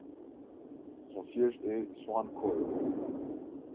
Son siège est Swan Quarter.